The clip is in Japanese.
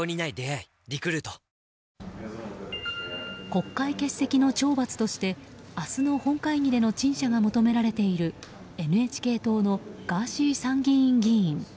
国会欠席の懲罰として明日の本会議での陳謝が求められているＮＨＫ党のガーシー参議院議員。